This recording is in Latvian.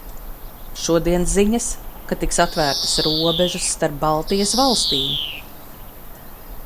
Šodien ziņas, ka tiks atvērtas robežas starp Baltijas valstīm.